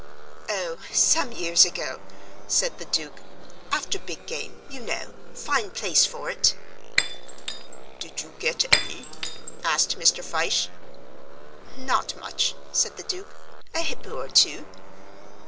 "Oh, some years ago," said the Duke, "after big game, you know fine place for it." "Did you get any?" asked Mr. Fyshe. "Not much," said the Duke; "a hippo or two."